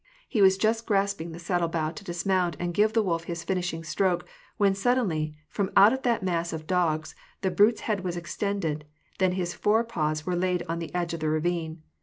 He was just grasping the saddle bow to dismount and give the wolf his flnishing stroke, when suddenly, from out of that mass of dogs, the brute's head was extended, then his fore paws were laid on the edge of the ravine.